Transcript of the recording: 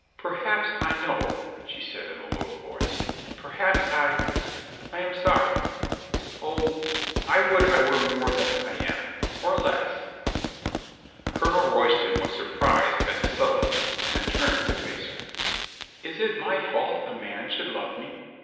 "Perhaps I know," she said in a low voice. "Per haps I — I am sorry. ... Oh, I would I were more than I am, or less." Colonel Royston was sur prised at the subtlety, and turned to face her. "Is it my fault a man should love me?"